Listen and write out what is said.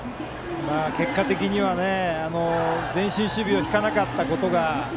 結果的には前進守備を敷かなかったことが。